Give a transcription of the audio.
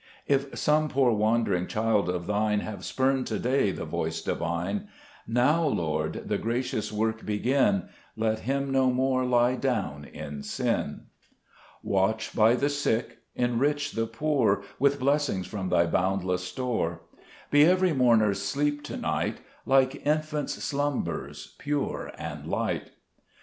4 If some poor wandering child of Thine Have spurned to day the voice Divine, Now, Lord, the gracious work begin ; Let him no more lie down in sin. 12 Cbe JScet Cburcb Ibsmns. 5 Watch by the sick ; enrich the poor With blessings from Thy boundless store ; Be every mourner's sleep to night, Like infants' slumbers, pure and light.